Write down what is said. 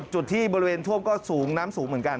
จุดที่บริเวณท่วมก็สูงน้ำสูงเหมือนกัน